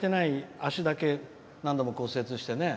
脚だけ何度も骨折してね。